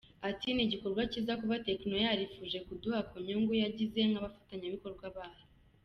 Ati “Ni igikorwa cyiza kuba Tecno yarifuje kuduha ku nyungu yagize nk’abafatanyabikorwa bayo.